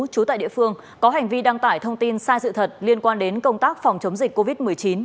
trú tại địa phương có hành vi đăng tải thông tin sai sự thật liên quan đến công tác phòng chống dịch covid một mươi chín